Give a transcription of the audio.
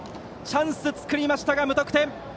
チャンス作りましたが無得点。